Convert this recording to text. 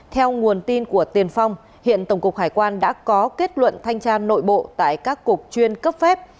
theo nguồn tin của tiền phong hiện tổng cục hải quan đã có kết luận thanh tra nội bộ tại các cục chuyên cấp phép